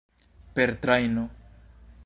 Per trajno?